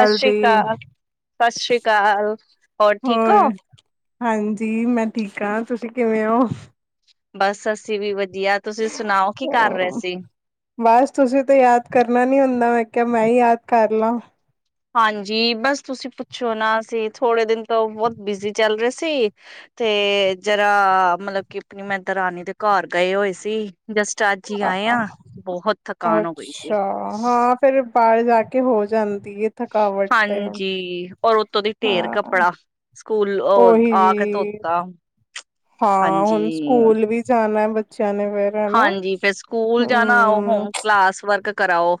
ਸਤਿ ਸ਼੍ਰੀ ਅਕਾਲ ਸਤਿ ਸ਼੍ਰੀ ਅਕਾਲ ਹੋਰ ਠੀਕ ਹੋ ਹਾਂਜੀ ਮੈਂ ਠੀਕ ਹਾਂ ਤੁਸੀਂ ਕਿਵੇਂ ਹੋ ਬਸ ਅਸੀਂ ਵੀ [unintelligible] ਯਾ ਤੁਸੀਂ ਸੁਣਾਓ ਕੀ ਕਰ ਰਹੇ ਸੀ ਬਸ ਤੁਸੀਂ ਤਾਂ ਯਾਦ ਕਰਨਾ ਨ ਹੁੰਦਾ ਮੈਂ ਕਿਹਾ ਮੈਂ ਹੀ ਯਾਦ ਕਰ ਲਾਂ ਹਾਂਜੀ ਬਸ ਤੁਸੀਂ ਪੁੱਛੋ ਨਾ ਅਸੀ ਥੋੜੇ ਦਿਨ ਤੋਂ ਬਹੁਤ ਬਿਜੀੀ ਚੱਲ ਰਹੇ ਸੀ ਤੇ ਜਰਾ ਮਤਲਬ ਕਿ ਆਪਣੀ ਮੈਂ ਦ ਰਾਾਨੀ ਦੇ ਘਰ ਗਏ ਹੋਏ ਸੀ ਜਸਟ ਅੱਜ ਹੀ ਆਏ ਹ ਬਹੁਤ ਥਕਾਨ ਹੋ ਗਈ ਸੀ ਅੱਛਾ ਹਾਂ ਫਿਰ [unintelligible] ਥਕਾਵਟ ਤੇ ਹਾਂਜੀ ਔਰ ਉਤੋਂ ਦੀ ਢੇਰ ਹਾਂ ਕੱਪੜਾ [unintelligible] ਉਹ ਉਹੀ ਆ ਕੇ ਧੋਤਾ ਹਾਂ ਹਾਂਜੀ। ਹੁਣ ਸਕੂਲ ਵੀ ਜਾਣਾ [inaudible] ਫੇਰ ਹਨਾ ਹਾਂਜੀ ਫੇਰ ਸਕੂਲ ਜਾਣਾ ਉਹ ਹਮ [unintelligible] ਕਲਾਸ ਵਰਕ ਕਰਾਓ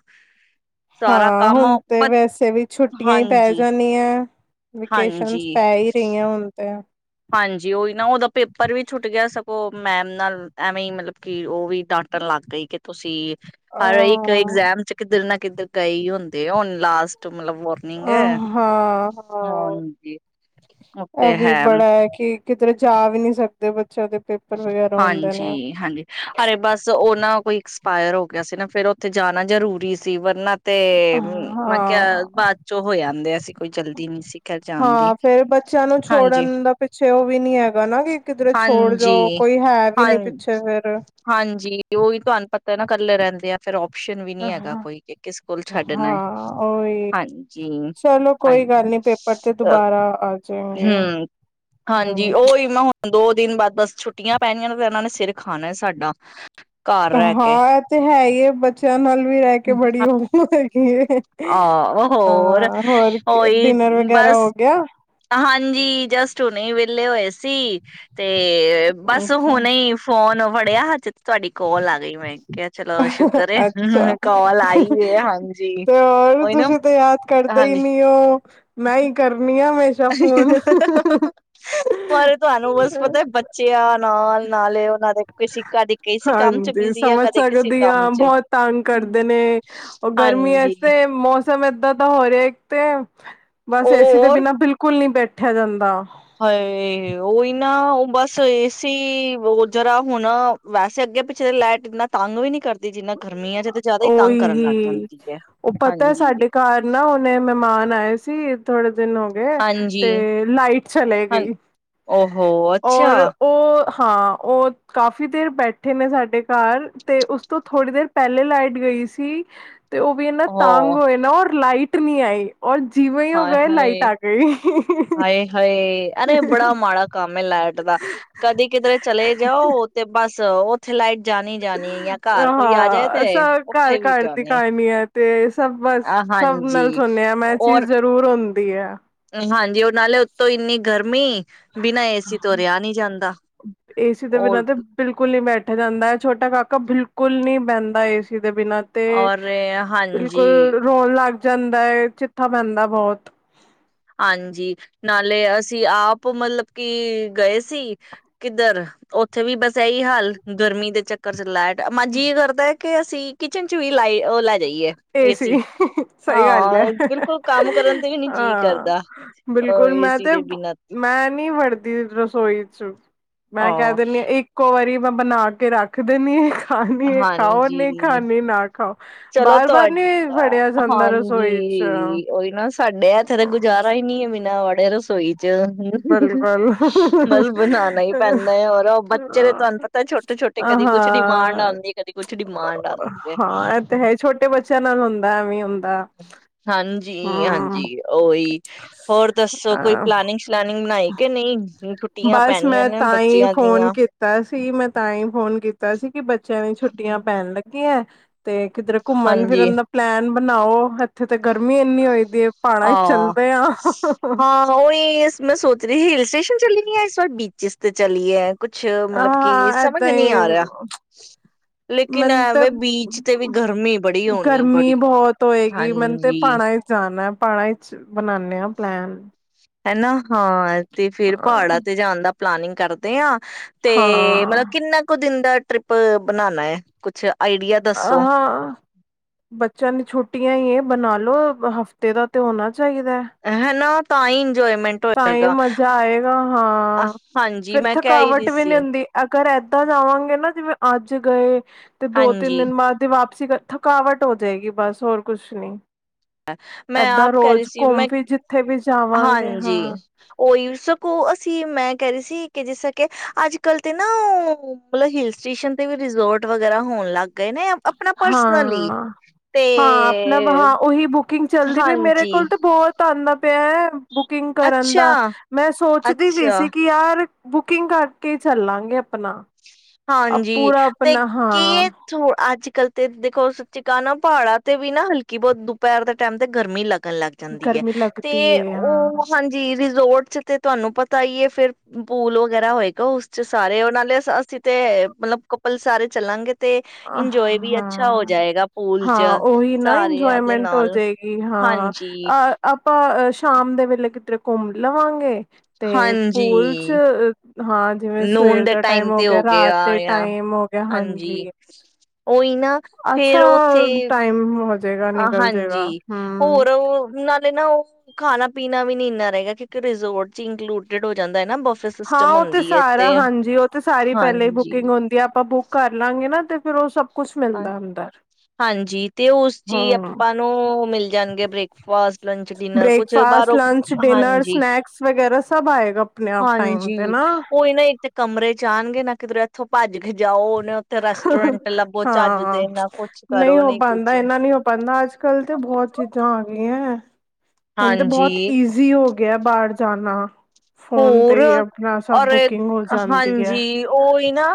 ਸਾਰਾ ਹਾਂ ਕੰਮ ਹੁਣ ਬ ਤੇ ਵੈਸੇ ਵੀ ਛੁੱਟੀਆਂ ਹੀ ਪੈ ਹਾਂਜੀ, ਜਾਣਿਆ ਹਾਂਜੀ। ਵੈਕੇਸ਼ਨਸ ਪੈ ਹੀ ਰਹੀਆਂ ਹੁਣ ਅਤੇ [inaudible] ਹਾਂਜੀ ਉਹੀ ਨਾ ਉਹਦਾ ਪੇਪਰ ਵੀ ਛੁੱਟ ਗਿਆ ਸਗੋਂ ਮੈਮ ਨਾਲ ਐਵੇਂ ਹੀ ਮਤਲਬ ਕਿ ਉਹ ਵੀ ਡਾਂਟਣ ਲੱਗ ਗਈ ਕਿ ਤੁਸੀਂ ਅ ਹ ਇੱਕ ਐਗਜ਼ਾਮ ਚ [unintelligible] ਕਿੱਧਰ ਨਾ ਕਿੱਧਰ ਕਈ ਹੁੰਦੇ ਆ ਹੁਣ ਲਾਸਟ [unintelligible] ਵਾਰਨਿੰਗ ਅਹ ਹੈ। ਹਾਂ ਹਾਂ ਹਾਂਜੀ ਉਹ ਇਹ ਤੇ ਵੀ ਬੜਾ ਹੈ ਕਿ ਕਿਧਰੇ ਜਾ ਵੀ ਨਹੀਂ ਸਕਦੇ ਬੱਚਿਆਂ ਦੇ ਪੇਪਰ ਵਗੈਰਾ ਹੁੰਦੇ ਨੇ। ਹਾਂਜੀ ਹਾਂਜੀ ਅਰੇ ਬਸ ਉਹ ਨਾ [unintelligible] ਕੋਈ ਐਕਸਪਾਇਰ ਹੋ ਗਿਆ ਸੀ ਨਾ ਫੇਿਰ ਉੱਥੇ ਜਾਣਾ ਜ਼ਰੂਰੀ ਸੀ ਵਰਨਾ ਤੇ ਮੈਂ ਕਿਹਾ ਹਾਂ। ਬਾਅਦ ਚੋਂ ਹੋ ਆਂਦੇ ਸੀ ਕੋਈ ਚਲਦੀ ਨੀ ਸੀ ਖੈਰ ਜਾਣ ਦੀ। ਹਾਂ ਫੇਰ ਬੱਚਿਆਂ ਨੂੰ ਹਾਂਜੀ, ਛੋੜਨ ਦਾ ਪਿੱਛੇ ਉਹ ਵੀ ਨੀ ਹੈਗਾ ਨਾ ਕਿ ਕਿਧਰੇ ਛੋੜ ਜੀ ਜਾਓ ਕੋਈ ਹੈ ਵੀ ਹਾਂ ਨੀ ਪਿੱਛੇ ਫੇਰ। ਹਾਂਜੀ ਉਹੀ ਤੁਹਾਨੂੰ ਪਤਾ ਇਹ ਨਾ ਇਕੱਲੇ ਰਹਿੰਦੇ ਆ ਫਿਰ ਓਪਸ਼ਨ ਵੀ ਨੀ ਹੈਗਾ ਕੋਈ ਕਿ ਕਿਸ ਕੋਲ ਛੱਡਣਾ ਹੈ ਹਾਂ ਉਹੀ ਹਾਂਜੀ ਚਲੋ ਕੋਈ ਹਾਂਜੀ ਗੱਲ ਨੀ ਪੇਪਰ ਤੇ [unintelligible] ਦੁਬਾਰਾ ਆ ਜਾਏਗੇ ਹਮ ਹਾਂਜੀ ਹੂੰ ਉਓਹੀ ਮੈਂ ਹੁਣ ਦੋ ਦਿਨ ਬਾਦ ਬਸ ਛੁੱਟੀਆਂ ਪੈਣੀਆਂ ਤੇ ਫੇਰ ਇਹਨਾਂ ਨੇ ਸਿਰ ਖਾਣਾ ਸਾਡਾ ਘਰ ਰਹਿ ਕੇ ਹਾਂ ਇਹ ਤੇ ਹੈ ਹੀ ਇਹ ਬੱਚਿਆਂ ਨਾਲ ਵੀ ਰਹਿ ਕੇ ਬੜੀ ਹੋ ਗਈ ਆਹ ਹੋਰ ਉਹੀ ਡਿਨਰ ਵਗੈਰਾ ਬਸ ਹੋ ਗਿਆ ਹਾਂਜੀ ਜਸਟ ਹੁਣੇ ਵਿਹਲੇ ਹੋਏ ਸੀ ਤੇ ਬਸ ਅੱਛਾ। ਹੁਣੇ ਹੀ ਫੋਨ ਫੜਿਆ ਹਜੇ ਤੁਹਾਡੀ ਕੋਲ ਆ ਗਈ ਮੈਂ ਕਿਹਾ ਚਲੋ ਸ਼ੁਕਰ ਏ ਅੱਛਾ ਕਾਲ ਆਈ ਏ ਹਾਂਜੀ ਤੇ ਹੋਰ ਉਹੀ ਨਾ ਤੁਸੀਂ ਤੇ ਯਾਦ ਕਰਦੇ ਹੀ ਹਾਂਜੀ ਨੀ ਹੋ ਮੈਂ ਹੀ ਕਰਨੀ ਆ ਹਮੇਸ਼ਾ ਫੋਨ ਤੁਹਾਨੂੰ ਬਸ ਪਤਾ ਹੈ ਬੱਚਿਆ ਨਾ ਨਾਲ ਨਾਲੇ ਉਹਨਾਂ ਦੇ ਕਦੇ ਕਿਸੇ ਕੰਮ ਚ ਹਾਂਜੀ ਬਿਜੀ ਆ ਸਮਝ ਕਦੇ ਕਿਸੇ ਸਕਦੀ ਕੰਮ ਹਾਂ ਚ ਬਹੁਤ ਤੰਗ ਹ ਕਰਦੇ ਨੇ ਹਾਂਜੀ ਸਮ ਏਦਾਂ ਤਾਂ ਹੋ ਰਿਹਾ ਇੱਕ ਤੇ ਬਸ ਏਸੀ ਦੇ ਬਿਨਾਂ ਬਿਲਕੁਲ ਨਹੀਂ ਬੈਠੇ ਇਕੱਠਿਆ ਜਾਂਦਾ ਹ ਹੀ ਨਾ ਉਹ ਬਸ ਏਸੀ ਜਰਾ ਹੁਣ ਵੈਸੇ ਅੱਗੇ ਪਿੱਛੇ ਦੇ ਲਾਈਟ ਇਨਾ ਤੰਗ ਵੀ ਨਹੀ ਕਰਦੀ ਜਿੰਨਾ ਗਰਮੀਆਂ ਚ ਤੇ ਜ਼ਿਆਦਾ ਹੀ ਤੰਗ ਓਹੀ ਕਰਨ ਲੱਗ ਹੀ ਜਾਂਦੀ ਹੈ ਉਹ ਪਤਾ ਹਾਂਜੀ ਸਾਡੇ ਘਰ ਨਾ ਉਹਨੇ ਮਹਿਮਾਨ ਬਏ ਸੀ ਥੋੜੇ ਦਿਨ ਹੋ ਗਏ ਹਾਂਜੀ ਤੇ ਲਾਈਟ ਚਲੇ ਹਾਂ ਗਈ ਓਹੋ ਅੱਛਾ ਔਰ ਉਹ ਹਾਂ ਉਹ ਕਾਫ਼ੀ ਦੇਰ ਬੈਠੇ ਨੇ ਸਾਡੇ ਘਰ ਤੇ ਉਸ ਤੋਂ ਥੋੜ੍ਹੀ ਦੇਰ ਪਹਿਲੇ ਲਾਈਟ ਗਈ ਸੀ ਤੇ ਉਹ ਵੀ ਇਹਨਾ ਤੰਗ ਹੋ ਹੋਏ ਨਾ ਲਾਈਟ ਨਹੀਂ ਆਏ ਹਾਏ ਹਾਏ ਹਾਏ ਹਾਏ ਅਰੇ ਬੜਾ ਮਾੜਾ ਕੰਮ ਹੈ ਲਾਈਟ ਦਾ ਕਦੀ ਕਿਧਰੇ ਚਲੇ ਜਾਓ ਤੇ ਬਸ ਅ ਉਹ ਉੱਥੇ ਲਾਈਟ ਜਾਣੀ ਜਾਣੀ ਜਾਂ ਘਰ ਕੋਈ ਆ ਜਾਏ ਹਾਂ ਤੇ ਉੱਥੇ ਵੀ ਜਾਦੀ ਆ ਅਤੇ ਸਭ ਬਸ ਸਭ ਨਾਲ ਸੁਣਿਆ ਮੈਂ ਚੀਜ਼ ਔਰ ਜ਼ਰੂਰ ਹ ਤੇ ਆ ਹਾਂਜੀ ਉਹ ਨਾਲੇ ਉੱਤੋਂ ਇੰਨੀ ਗਰਮੀ ਬਿਨਾਂ ਏਸੀ ਤੋਂ ਰਿਹਾ ਨਹੀਂ ਜਾਂਦਾ ਏਸੀ ਦੇ ਬਿਨਾਂ ਔਰ ਤੇ ਬਿਲਕੁਲ ਨੀ ਬੈਠ ਜਾਂਦਾ ਹੈ ਛੋਟਾ ਕਾਕਾ ਬਿਲਕੁਲ ਨੀ ਬਹਿੰਦਾ ਏ ਸੀ ਦੇ ਬਿਨਾਂ ਤੇ ਔਰ ਹਾਂਜੀ ਬਿਲਕੁਲ ਰੋਣ ਲੱਗਦੇ ਜਾਂਦਾ ਚਿੱਥਾ ਪੈਂਦਾ ਬਹੁਤ ਸੀ ਆਪ ਮਤਲਬ ਕਿ ਗਏ ਸੀ ਕਿੱਧਰ ਉੱਥੇ ਵੀ ਬਸ ਇਹੀ ਹਾਲ ਗਰਮੀ ਦੇ ਚੱਕਰ ਚ ਲੈਟ ਮਜੀ ਕਰ ਹੈ ਕੇ ਅਸੀਂ ਕਿਚਨ ਚ ਵੀ ਲਾਈ ਲੈ ਜਾਈਏ ਏ ਏਸੀ ਸੀ ਸਹੀ ਗੱਲ ਹੈ ਹਾਂ ਬਿਲਕੁਲ ਕੰਮ ਕਰਨ ਤੇ ਵੀ ਨੀ ਹਹ ਜੀਅ ਹਾਂ ਕਰਦਾ ਅ ਬਿਲਕੁਲ ਮੈਂ ਏਸੀ ਤੇ ਦੇ ਬਿਨਾਂ ਮੈਂ ਨੀ ਫੜਦੀ ਰਸੋਈ ਚ ਮੈਂ ਕਹਿ ਦਿੰਦੀ ਹਾਂ ਇੱਕ ਵਾਰੀ ਮੈਂ ਬਣਾ ਕੇ ਰੱਖ ਦਦੀ ਖਾਣੀ ਖਾਓ ਨਹੀਂ ਹਾਂਜੀ ਖਾਣੀ ਨਾ ਖਾਓ ਚਲੋ ਬਾਰ ਬਾਰ ਤੁਹਾਡ ਨੀ ਵੜਿਆ ਜਾਂਦਾ ਹਾਂਜੀ ਰਸੋਈ ਚ ਉਓਹੀ ਨਾ ਸਾਡੇ ਇੱਥੇ ਤਾਂ ਗੁਜ਼ਾਰਾ ਹੀ ਨੀ ਹੈ ਬਿਨਾ ਵੜੇ ਤੋਂ ਸ ਬਿਲਕੁਲ ਬਸ ਬਣਾਉਣਾ ਹੀ ਪੈਂਦਾ ਹੈ ਰ ਬੱਚੇ ਦੇ ਤੁਹਾਨੂੰ ਪਤਾ ਛੋਟੇ ਛੋਟੇ ਹਾਂ ਕਦੀ ਕੁਛ ਡਿਮਾਂਡ ਹਾਂ ਆਉਂਦੀ ਹੈ ਕਦੀ ਕੁਛ ਡਿਮਾਂਡ ਆਉਂਦੀ ਹੈ ਇਹ ਤੇ ਹੈ ਛੋਟੇ ਬੱਚਿਆਂ ਨਾਲ ਹੁੰਦਾ ਐਵੇ ਹ ਹਾਂਜੀ ਹਾਂਜੀ ਉਓਹੀ ਹੋਰ ਦੱਸੋ ਕੋਈ ਅਹ ਪਲਾਨਿੰਗ ਸਲਾਨ ਬਣਾਈ ਕਿ ਨਹੀਂ ਛੁੱਟੀਆਂ ਬਸ ਪੈਣੀਆਂ ਮੈਂ ਨੇ ਤਾਂ ਹੀ ਬੱਚਿਆਂ ਫੋਨ ਦੀਆਂ ਕੀਤਾ ਸੀ ਮੈਂ ਤਾਂ ਹੀ ਫੋਨ ਕੀਤਾ ਸੀ ਕਿ ਬ ਬੱਚਿਆਂ ਦੀ ਛੁੱਟੀਆਂ ਪੈਣ ਲੱਗੀਆਂ ਤੇ ਕਿਧਰ ਘੁੰਮਣ ਹਾਂਜੀ ਫਿਰਨ ਦਾ ਪਲੈਨ ਬਣਾਓ ਹੱਥ ਤੇ ਗਰਮੀ ਇੰਨੀ ਹੋ ਦੀ ਹੈ ਪਹਾੜਾਂ ਚ ਆਹ ਚਲਦੇ ਆਂ ਤ੍ਰਹੀ ਸਟੇਸ਼ਨ ਚੱਲਣੀ ਹੈ ਸ ਬੀਚ ਤੇ ਚਲੀਏ ਕੁਛ ਮਤਲਬ ਕਿ ਹਾਂ ਸਮਝ ਏਦਾਂ ਹੀ ਨਹੀ ਆ ਰਿਹਾ ਲੇਕਿਨ ਮੈਨੂੰ ਤੇ ਐਵੇਂ ਬੀਚ ਤੇ ਵੀ ਗਰਮੀ ਬੜੀ ਹੋਣੀ ਗਰਮੀ ਬੜੀ ਬਹੁਤ ਹੋਏਗੀ ਮੈਨੂੰ ਤੇ ਹਾਂਜੀ ਭਾਣਾ ਵਿੱਚ ਜਾਣਾ ਪੜਾਂ ਵਿੱਚ ਬਣਾਉਦੇ ਹ ਪਲੈਨ ਹੈਨਾ ਹਾਂ ਤੇ ਫੇਰ ਹਾਂ ਪਹਾੜਾਂ ਤੇ ਜਾਣ ਦਾ ਪਲਾਨਿੰਗ ਕਰਦੇ ਹਾਂ ਤੇ ਹਾਂ ਮਤਲਬ ਕਿੰਨਾ ਕੁ ਦਿਨ ਦਾ ਟ੍ਰਿਪ ਬਣਾਉਣਾ ਹੈਏ ਕੁੱਛ ਹਾਂ ਬੱਚਿਆਂ ਨੇ ਛੁੱਟੀਆਂ ਹੀ ਬਣਾਲੋ ਹਫ਼ਤੇ ਦਾ ਤੇ ਹੋਣਾ ਚਾਹੀਦਾ ਪਾਈਨ ਤਾਂ ਹੀ ਮਜ਼ਾ ਆਏਗਾ ਅ, ਹਾਂ ਹਾਂਜੀ ਫਿਰ ਮੈਂ ਕਹਿ ਹੀ ਥਕਾਵਟ ਰਹੀ ਵੀ ਨਹੀ ਸੀ ਹੁੰਦੀ ਅਗਰ ਏਦਾਂ ਜਾਵਾਂਗੇ ਨਾ ਜਿਵੇਂ ਅੱਜ ਗਏ ਤੇ ਦੋ ਤਿੰਨ ਹਾਂਜੀ ਦਿਨ ਬਾਅਦ ਤੇ ਵਾਪ ਥਕਾਵਟ ਹੋ ਜਾਏਗੀ ਬਸ ਹੋਰ ਕੁਛ ਨਹੀਂ ਮੈਂ ਏਦਾਂ ਆਪ ਕਹਿ ਰਹੀ ਰੋਜ਼ ਸੀ ਮੈਂ ਘੁੰਮ ਵੀ ਜਿੱਥੇ ਵੀ ਜਾਵਾਂਗੇ ਹਾਂਜੀ ਹਾਂ ਉਈ ਸਕੋ ਅਸੀਂ ਮੈਂ ਕਰ ਰਹੀ ਸੀ ਕਿ ਜਿਸ ਤਰ ਕਿ ਅੱਜ ਕੱਲ ਤੇ ਨਾ ਉਹ ਮਤਲਬ ਹਿਲ ਸਟੇਸ਼ਨ ਤੇ ਵੀ ਰਿਜੋਰਟ ਵਗੈਰਾ ਹੋਣ ਲੱਗ ਗਏ ਨੇ ਆਪਣਾ ਪਰਸਨਲੀ ਹਾਂ ਤੇ ਜਲਦੀ ਵੀ ਮੇਰੇ ਹਾਂਜੀ ਕੋਲ ਤਾਂ ਬਹੁਤ ਧੰਨ ਪ ਬੁਕਿੰਗ ਕਰਨ ਅੱਛਾ ਦਾ ਮੈਂ ਸੋਚਦੀ ਵੀ ਅੱਛਾ ਸੀ ਕਿ ਯਾਰ ਬੁਕਿੰਗ ਕਰਕੇ ਚੱਲਾਂਗੇ ਆਪਣਾ ਹਾਂਜੀ ਪੂਰਾ ਤੇ ਆਪਣਾ ਕੀ ਹਾਂ ਇਹ ਅੱਜ ਕੱਲ ਤੇ ਦੇਖੋ ਸੱਚੀ ਕਿਹਾ ਨਾ ਪਹਾੜਾਂ ਤੇ ਵੀ ਨਾ ਹਲਕੀ ਬਹੁਤ ਦੁਪਹਿਰ ਦੇ ਟਾਈਮ ਤੇ ਗਰਮੀ ਲੱਗ ਣ ਲੱਗ ਜਾਂਦੀ ਐ ਗਰਮੀ ਤੇ ਲੱਗਦੀ ਹੈ ਉਹ ਹਾਂ ਹਾਂਜੀ ਰਿਜ਼ੋਰਟ। ਤੇ ਤੁਹਾਨੂੰ ਪਤਾ ਈ ਆ ਫੇਰ ਪੂਲ ਵਗੈਰਾ ਹੋਏਗਾ ਉਸ ਚ ਸਾਰੇ ਉਹ ਨਾਲ਼ੇ ਅਸੀਂ ਤੇ ਮਤਲਬ ਕਪਲ ਸਾਰੇ ਚੱਲਾਂਗੇ। ਤੇ ਇੰਜੋਏ ਵੀ ਅੱਛਾ ਹੋ ਹਾਂ ਜਾਏਗਾ ਪੂਲ ਚ ਹਾਂ, ਉਹੀ ਨਾ ਸਾਰਿਆਂ ਦੇ ਇੰਜੋਏਮੈਂਟ ਨਾਲ ਹੋਜੇਗੀ ਹਾਂ ਹਾਂਜੀ ਅ ਆਪਾਂ ਸ਼ਾਮ ਦੇ ਵੇਲੇ ਕਿਧਰੇ ਘੁੰਮ ਲਵਾਂਗੇ। ਤੇ ਹਾਂਜੀ ਪੋਲ ਚ। ਹਾਂ, ਜਿਵੇਂ ਨੂਨ ਸਵੇਰ ਦੇ ਦਾ ਟਾਈਮ ਹੋ ਤੇ ਗਿਆ ਰਾਤ ਦੇ ਆ ਟਾਈਮ ਹੋ ਗਿਆ ਹਾਂਜੀ। ਉਹੀ ਨਾ ਅੱਛਾ ਫੇਰ ਉੱਥੇ ਟਾਈਮ ਹੋ ਜਾਏਗਾ ਨਿਕਲ ਹਾਂਜੀ ਜਾਏਗਾ ਹਮ ਹੋਰ ਓ ਨਾ। ਨਾ ਉਹ ਖਾਣਾ ਪੀਣਾ ਵੀ ਨੀ ਇੰਨਾ ਰਹੇਗਾ ਕਿਉਂਕਿ ਰਿਜ਼ੋਰਟ ਚ ਇੰਕਲੂਡਡ ਹੋ। ਜਾਂਦਾ ਹੈ ਨਾ ਬਫੇ ਹਾਂ, ਸਿਸਟਮ ਉਹ ਤੇ ਹੁੰਦੀ ਹੈ ਸਾਰਾ ਹਾਂਜੀ ਉਹ ਤੇ ਸਾਰੀ ਪਹਿਲੇ ਹੀ ਹਾਂਜੀ ਬੁਕਿੰਗ ਹੁੰਦੀ ਆ ਆਪਾਂ ਬੁੱਕ ਕਰਲਾਂਗੇ ਨਾ। ਤੇ ਫੇਰ ਉਹ ਸਭ ਕੁਛ ਹਾਂ, ਮਿਲਦਾ ਅੰਦਰ ਹਾਂਜੀ ਤੇ ਉਸ ਚੀ ਹਮ ਆਪਾਂ ਨੂੰ ਮਿਲ ਜਾਣਗੇ ਬ੍ਰੇਕਫਾਸਟ। ਲੰਚ, ਡਿਨਰ ਕੁਛ ਬ੍ਰੇਕਫਾਸਟ ਬਾਹਰੋਂ ਲੰਚ ਡਿਨਰ ਹਾਂਜੀ ਸਨੈਕਸ ਵਗੈਰਾ ਸਭ ਆਏਗਾ ਆਪਣੇ ਆਪ ਟਾਈਮ ਤੇ ਹਾਂਜੀ ਨਾ ਓਹੀ ਨਾ ਇਹ ਤੇ ਕਮਰੇ ਚ ਆਣਗੇ ਨਾ। ਕਿੱਧਰੇ ਇਥੋਂ ਭੱਜ ਗਿਆ। ਜਾਓ ਉਹਨੇ ਉੱਥੇ ਰੈਸਟੋਰੈਂਟ ਲੱਭੋ। ਚੱਜ ਹਾਂ ਦੇ ਨਾ ਕੁਛ ਨਹੀਂ ਕਰੋ ਹੋ ਪਾਉਂਦਾ ਕੁਛ ਇਨਾ ਨਹੀਂ ਹੋ ਪਾਉਂਦਾ ਅੱਜ ਕੱਲ ਤੇ ਬਹੁਤ ਚੀਜ਼ਾਂ ਆ ਗਈਆਂ। ਹੁਣ ਤਾਂ ਬਹੁਤ ਹਾਂਜੀ ਈਜ਼ੀ ਹੋ ਗਿਆ ਬਾਹਰ ਜਾਣਾ। ਫੋਨ ਤੇ ਹੋਰ ਹੀ ਆਪਣਾ ਸਭ ਔਰ ਬੁਕਿੰਗ ਹੋ ਜਾਂਦੀ ਹੈ ਹਾਂਜੀ ਓਹੀ ਨਾ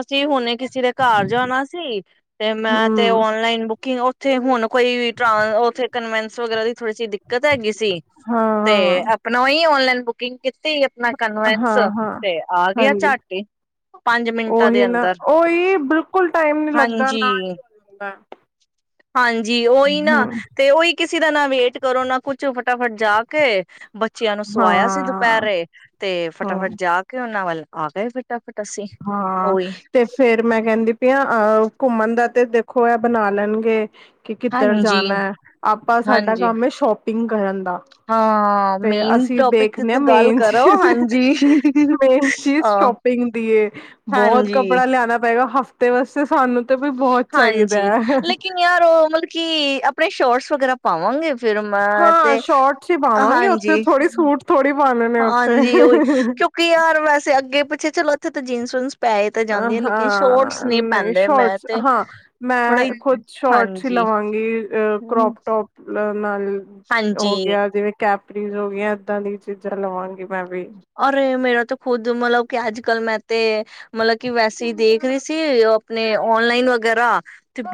ਅਸੀਂ ਹੁਣੇ ਕਿਸੇ ਦੇ ਘਰ ਜਾਣਾ ਸੀ। ਤੇ ਮੈਂ ਤੇ ਹਮ ਔਨਲਾਈਨ ਬੁੱਕ ਕੀ ਉੱਥੇ ਹੁਣ ਕੋਈ ਵੀ ਟਰਾਂ ਉੱ ਕਨਵੈਂਸ ਵਗੈਰਾ ਦੀ ਥੋੜੀ ਜੀ ਦਿੱਕਤ ਹੈਗੀ ਸੀ। ਸੀ ਹਾਂ ਤੇ ਹਾਂ ਆਪਣਾ ਓਹੀ ਔਨਲਾਈਨ। [unintelligible] ਕੀਤੀ। ਆਪਣਾ ਕਨਵੈਂਸ ਹਾਂ ਹਾਂ ਤੇ ਆ ਗਿਆ ਹਾਂਜੀ, ਝੱਟ ਹੀ ਪੰਜ ਮਿੰਟਾਂ ਦੇ ਉਹੀ ਨਾ ਅੰਦਰ ਉਹੀ ਬਿਲਕੁਲ ਟਾਈਮ ਨੀ ਲੱਗਦਾ ਨਾ ਹੀ ਹਾਂਜੀ ਹੋ ਜਾਂਦਾ। ਹਾਂਜੀ ਉਹੀ ਨਾ ਹਮ ਤੇ ਉਹੀ। ਕਿਸੇ ਦਾ ਨਾ ਵੇਟ ਕਰੋ ਨਾ ਕੁਛ ਫਟਾਫਟ ਜਾ ਕੇ ਬੱਚਿਆਂ ਨੂੰ ਸਵਾਇਆ ਸੀ ਪੈ ਹਾਂ ਰਹੇ ਤੇ ਹਾਂ ਫਟਾਫਟ ਜਾ ਕੇ ਉਹਨਾਂ ਵੱਲ ਆ ਗਏ ਪ ਹਾਂ ਤੇ ਫੇਰ ਮੈਂ ਕਹਿੰਦੀ ਪ ਆ ਅਹ ਘੁੰਮਣ ਦਾ ਤੇ ਦੇਖੋ ਹੈ ਬਣਾ ਲੈਣਗੇ ਕਿ ਕਿੱਧਰ ਹਾਂਜੀ ਜਾਣਾ ਹੈ ਆਪਾਂ ਸਾਡਾ ਹਾਂਜੀ ਕੰਮ ਹੈ ਸ਼ੋਪਿੰਗ ਕਰਨ ਦਾ ਹਾਂ ਤੇ ਮੇਨ ਅਸੀਂ ਟੋਪਿਕ ਤੇ ਦੇਖਦੇ ਹਾਂ ਤੇ ਗੱਲ ਮੇਨ ਕਰੋ ਚੀਜ਼ ਹਾਂਜੀ ਮੇਨ ਚੀਜ਼ ਅ ਸ਼ੋਪਿੰਗ ਦੀ ਬਹੁਤ ਹਾਂਜੀ ਕੱਪੜਾ ਲਿਆਉਣਾ ਪੈ ਹਫ਼ਤੇ ਵਸ ਹਾਂਜੀ ਹੈ ਲੇਕਿਨ ਯਾਰ ਉਹ ਮਤਲਬ ਕੀ ਆਪਣੇ ਸ਼ੋਰ ਵਗੈਰਾ ਪਾਵਾਂਗੇ ਫਿਰ ਮੈਂ ਹਾਂ ਤੇ ਸ਼ੋਰਟ ਚ ਹੀ ਪਾਵਾਂਗੇ ਉੱਥੇ ਹਾਂਜੀ ਥੋੜ੍ਹੀ ਸੂਟ ਥੋੜ੍ਹੀ ਪਾਣੇ ਨੇ ਉੱਥੇ ਹਾਂਜੀ ਉਹੀ ਕਿਉਂਕਿ ਯਾਰ ਵੈਸੇ ਅੱਗੇ ਪਿੱਛੇ ਚਲਾੋ ਜਨ [inaudible] ਹਾਂ ਨਹੀਂ ਪੈਂਦੇ ਮੈਂ ਸ਼ੋਰਟਸ ਤੇ ਹਾਂ ਬੜਾ ਹੀ ਮੈਂ ਖੁਦ ਸ਼ੋਰਟਸ ਹੀ ਹਾਂਜੀ ਲਵਾਂਗੀ ਅ ਕਰੋਪ ਟੋਪ ਨਾਲ ਹੋ ਹਾਂਜੀ ਗਿਆ ਜਿਵੇਂ ਕੈਪ ਪਲੀਜ਼ ਹੋ ਦਾਂ ਦੀ ਚੀਜ਼ਾਂ ਲਵਾਂਗੀ ਮੈਂ ਵੀ ਔਰ ਮੇਰਾ ਤਾਂ ਖੁਦ ਮਤਲਬ ਕਿ ਅੱਜ ਕੱਲ ਮੈਂ ਤੇ ਮਤਲਬ ਕਿ ਵੈਸੇ ਹੀ ਦੇਖ ਰਹੀ ਸੀ ਆਪਣੇ ਓਨਲਾਈਨ ਵਗੈਰਾ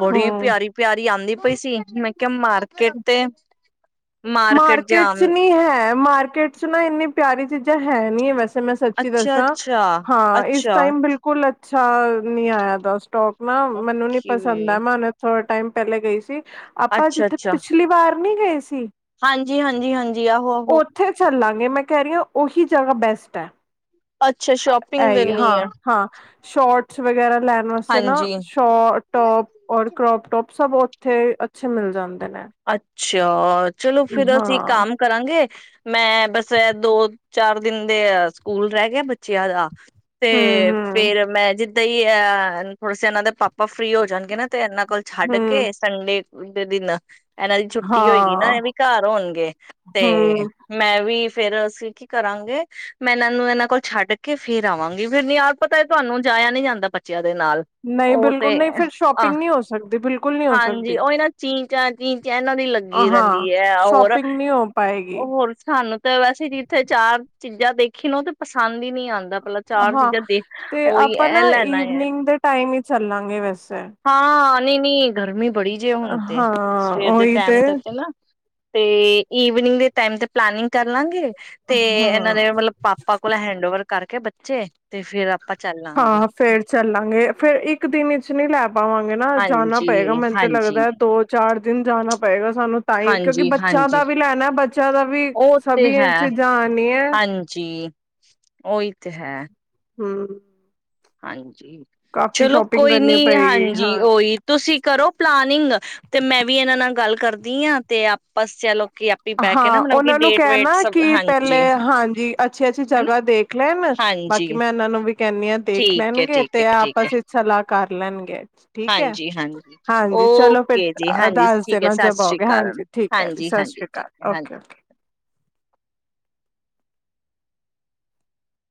ਬੜੀ ਹੂੰ ਪਿਆਰੀ ਪਿਆਰੀ ਆਉਂਦੀ ਪਈ ਸੀ ਮਾਰਕਟ ਤੇ ਮਾਰਕੀਟ ਚ ਨੀ ਹੈ ਮਾਰਕੀਟ ਚ ਨਾ ਇੰਨੀ ਪਿਆਰੀ ਚੀਜ਼ਾਂ ਹੈ ਨਹੀ ਹੈ ਵੈਸੇ ਮੈਂ ਸੱਚੀ ਅੱਛਾ ਦੱਸਾਂ ਅੱਛਾ ਹਾਂ ਇਸ ਅੱਛਾ ਟਾਈਮ ਬਿਲਕੁਲ ਅੱਛਾ ਨੀ ਆਇਆ ਦਾ ਸਟੋਕ ਮੈਂ ਮੈਨੂੰ ਨੀ ਪਸੰਦ ਓਕੇ ਆ ਮੈਂਨਥੋ ਟਾਈਮ ਪਹਿਲੇ ਗਈ ਸੀ ਆਪਾਂ ਅੱਛਾ ਜਿੱਥੇ ਅੱਛਾ ਪਿਛਲੀ ਵਾਰ ਨੀ ਗਏ ਸੀ ਹਾਂਜੀ ਹਾਂਜੀ ਹਾਂਜੀ ਆਹੋ ਆਹੋ ਉੱਥੇ ਚੱਲਾਂਗੇ ਮੈਂ ਕਹਿ ਰਹੀ ਹਾਂ ਉਹੀ ਜਗ੍ਹਾ ਬੈਸਟ ਹੈ ਅੱਛਾ ਸ਼ੋਪਿੰਗ ਦੇ ਹੀ ਲਈ ਹਾਂ ਹੈ ਹਾਂ ਸ਼ੋਟਸ ਵਗੈਰਾ ਲੈਣ ਵਾਸਤੇ ਨਾ ਹਾਂਜੀ। ਸ਼ਟ ਟੋਪ ਔਰ ਕਰੋਪ ਟੋਪ ਸਭ ਉੱਥੇ ਅੱਛੇ ਮਿਲ ਜਾਂਦੇ ਹਨ ਨਾ ਅੱਛਾ ਅ ਚਲੋ ਫਿਰ ਅਸੀਂ ਇੱਕ ਕੰਮ ਕਰਾਂਗੇ ਮੈਂ ਬਸ ਦੋ ਚਾਰ ਦਿਨ ਦੇ ਸਕੂਲ ਰਹਿ ਗਿਆ ਬੱਚਿਆਂ ਦਾ ਤੇ ਹੂੰ ਹੂੰ ਫੇਰ ਮੈਂ ਜਿੱ ਤੇ ਹੀ ਅ ਥੋੜੇ ਸੇ ਇਹਨਾਂ ਦੇ ਪਾਪਾ ਫ੍ਰਰੀ ਹੋ ਜਾਣਗੇ ਨਾ ਤੇ ਇਹਨਾਂ ਕੋਲ ਛੱਡ ਹੂੰ ਕੇ ਸੰਡੇ ਉਡੇ ਦਿਨ ਇਹਨਾਂ ਦੀ ਛੁੱਟੀ ਹੋਏਗੀ ਨਾ ਹਾਂ ਇਹ ਵੀ ਘਰ ਹੋਣਗੇ ਤੇ ਹੂੰ ਮੈਂ ਵੀ ਫੇਰ ਅਸੀਂ ਕੀ ਕਰਾਂਗੇ ਮੈਂ ਇਹਨਾਂ ਨੂੰ ਇਹਨਾਂ ਕੋਲ ਛੱਡ ਕੇ ਫੇਰ ਆਵਾਂਗੀ ਫਿਰ ਨ ਯਾਰ ਪਤਾ ਤੁਹਾਨੂੰ ਜਾਇਆ ਨੀ ਜਾਂਦਾ ਬੱਚਿਆਂ ਦੇ ਨਾਲ ਨਹੀਂ ਉਹ ਬਿਲਕੁਲ ਤੇ ਨਹੀਂ ਫਿਰ ਆਹ ਸ਼ੋਪਿੰਗ ਨਹੀਂ ਹੋ ਸਕਦੀ ਬਿਲਕੁਲ ਨਹੀ ਹੋ ਸਕਦੀ ਤਨ ਇਹਨਾਂ ਦੀ ਲੱਗੀ ਰਹਿੰਦੀ ਹਾਂ ਹੈ ਹੋਰ ਸ਼ੋਪਿੰਗ ਨਹੀਂ ਹੋ ਪਾਏਗੀ ਹੋਰ ਸਾਨੂੰ ਤੇ ਵੈਸੇ ਜ ਜਿੱਥੇ ਚਾਰ ਚੀਜ਼ਾਂ ਦੇਖੀ ਨੂੰ ਤੇ ਪਸੰਦ ਨਹੀਂ ਆਉਂਦਾ ਪਹਿਲਾਂ ਚਾਰ ਹਾਂ ਚੀਜ਼ਾਂ ਦੇਖ ਤੇ ਉਹੀ ਇਹ ਲੈਣਾ ਚੱਲ ਸਗੇ ਵੈਸ ਨੀ ਗਰਮੀ ਬੜੀ ਜਿਹੇ ਹੁਣ ਤੇ ਸਵੇਰ ਦੇ ਟੈਮ ਤੇ ਤੇ ਨਾ ਤੇ ਈਵਨਿੰਗ ਦੇ ਟਾਈਮ ਤੇ ਪਲਾਨਿੰਗ ਕਰ ਲਾਂਗੇ ਤੇ ਇਹਨਾਂ ਹਾਂ ਦੇ ਮਤਲਬ ਪਾਪਾ ਕੋਲ ਹੈਂਡ ਓਵਰ ਕਰਕੇ ਬ ਅੱਛੇ ਤੇ ਫੇਿਰ ਆਪ ਹਾਂ ਫੇਰ ਚੱਲਾਂਗੇ ਫੇਰ ਇੱਕ ਦਿਨ ਵਿਚ ਨਹੀਂ ਲੈ ਪਾਵਾਂਗੇ ਨਾ ਜਾਣਾ ਪਏਗਾ ਮੈਨੂੰ ਤੇ ਹਾਂਜੀ-ਹਾਂਜੀ, ਲੱਗਦਾ ਦੋ ਚਾਰ ਦਿਨ ਜਾਣਾ ਪਏਗਾ ਸਾਨੂੰ ਤਾਈ ਕਿਉਂਕਿ ਬੱਚਿਆਂ ਹਾਂਜੀ-ਹਾਂਜੀ ਦਾ ਵੀ ਲੈਣਾ ਬੱਚਿਆਂ ਦਾ ਵੀ ਉਹ ਸਭ ਤੇ ਹੈ ਚੀਜ਼ਾਂ ਆਣੀ ਹੈ ਹਾਂਜੀ ਉਹੀ ਤੇ ਹੈ ਹਮ ਹਾਂ ਕਾਫ਼ੀ ਚਲੋ ਸ਼ੋਪਿੰਗ ਕੋਈ ਕਰਨੀ ਨੀ ਪਏਗੀ ਹਾਂਜੀ ਹਾਂ ਉਹੀ ਤੁਸੀਂ ਕਰੋ ਪਲਾਨਿੰਗ ਤੇ ਮੈਂ ਵੀ ਇਹਨਾਂ ਨਾਲ ਗੱਲ ਕਰਦੀ ਹਾਂ ਤੇ ਆਪਸ ਚਲੋ ਹਾਂ ਉਹਨਾਂ ਨੂੰ ਕਹਿਣਾ ਕਿ ਪਹਿਲੇ ਹਾਂਜੀ ਹਾਂਜੀ ਅੱਛੀ ਅੱਛੀ ਹਨਾ ਜਗ੍ਹਾ ਦੇਖ ਲੈਣ ਹਾਂਜੀ ਬਾਕੀ ਮੈਂ ਇਹਨਾਂ ਨੂੰ ਵੀ ਕਹਿੰਦੀ ਹਾਂ ਦੇਖ ਠੀਕ ਹੈ ਲੈਣਗੇ ਠੀਕ ਹੈ ਤੇ ਠੀਕ ਹੈ ਆਪਸ ਸਲਾ ਕਰ ਲੈਣਗੇ ਠੀਕ ਹੈ ਹਾਂਜੀ ਹਾਂਜੀ ਹਾਂਜੀ ਚਲੋ ਫਿਰ ਓਕੇ ਜੀ ਹਾਂਜੀ ਦੱਸ ਠੀਕ ਹੈ ਦੇਣਾ ਸਤਿ ਸ੍ਰੀ ਅਕਾਲ ਹਾਂਜੀ ਹਾਂਜੀ ਠੀਕ ਓਕੇ ਹੈ ਹਾਂਜੀ ਓਕੇ